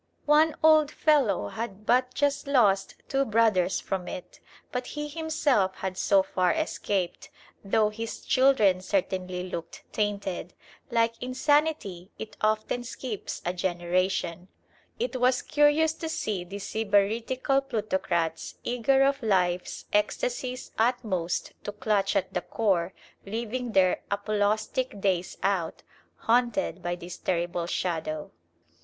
One old fellow had but just lost two brothers from it, but he himself had so far escaped, though his children certainly looked tainted. Like insanity, it often skips a generation. It was curious to see these sybaritical plutocrats, eager of life's "ecstasy's utmost to clutch at the core," living their apolaustic days out, haunted by this terrible shadow.